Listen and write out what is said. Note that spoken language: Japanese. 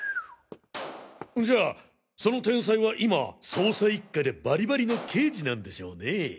んじゃその天才は今捜査一課でバリバリの刑事なんでしょうねぇ。